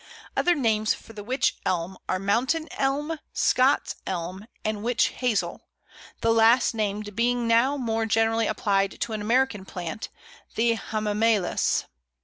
Other names for the Wych Elm are Mountain Elm, Scots Elm, and Witch Hazel the last named being now more generally applied to an American plant, the Hamamelis.